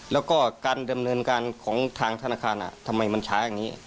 แล้วก็การดำเนินการของทางธนาคารทำไมมันช้าอย่างนี้